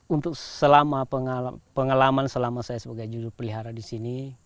untuk selama pengalaman selama saya sebagai juru pelihara di sini